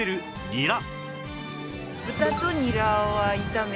ニラ。